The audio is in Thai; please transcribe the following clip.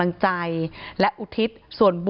ประสงสามรูปนะคะนำสายสีขาวผูกข้อมือให้กับพ่อแม่ของน้องชมพู่